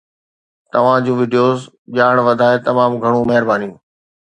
توهان جون وڊيوز ڄاڻ وڌائي، تمام گهڻو مهرباني